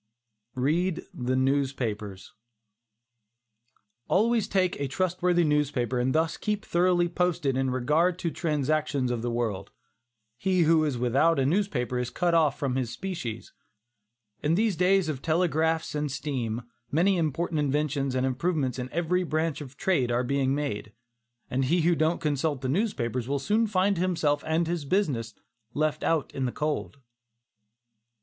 READ THE NEWSPAPERS. Always take a trustworthy newspaper and thus keep thoroughly posted in regard to the transactions of the world. He who is without a newspaper is cut off from his species. In these days of telegraphs and steam, many important inventions and improvements in every branch of trade are being made, and he who don't consult the newspapers will soon find himself and his business left out in the cold.